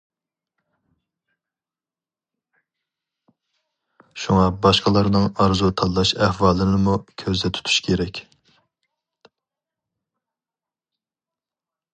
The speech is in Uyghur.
شۇڭا باشقىلارنىڭ ئارزۇ تاللاش ئەھۋالىنىمۇ كۆزدە تۇتۇش كېرەك.